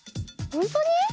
ほんとに？